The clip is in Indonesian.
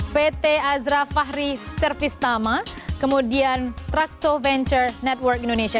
pt azra fahri servis tama kemudian trakto venture network indonesia